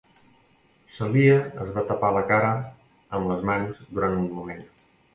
Celia es va tapar la cara amb les mans durant un moment.